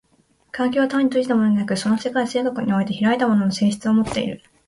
環境は単に閉じたものでなく、その世界性格において開いたものの性質をもっている。